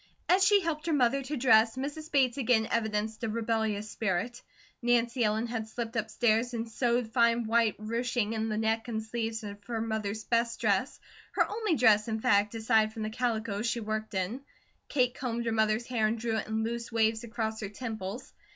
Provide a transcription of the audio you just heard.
As she helped her mother to dress, Mrs. Bates again evidenced a rebellious spirit. Nancy Ellen had slipped upstairs and sewed fine white ruching in the neck and sleeves of her mother's best dress, her only dress, in fact, aside from the calicoes she worked in. Kate combed her mother's hair and drew it in loose waves across her temples.